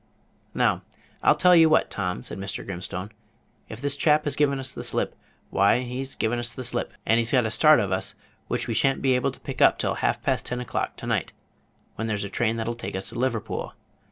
"Now, I'll tell you what, Tom," said Mr. Grimstone. "If this chap has given us the slip, why he's given us the slip, and he's got a start of us which we shan't be able to pick up till half past ten o'clock to night, when there's a train that'll take us to Liverpool.